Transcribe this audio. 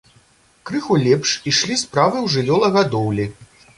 Крыху лепш ішлі справы ў жывёлагадоўлі.